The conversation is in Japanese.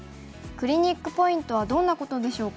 クリニックポイントはどんなことでしょうか？